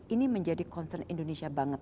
ini menjadi concern indonesia banget